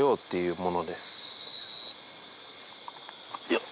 よっ。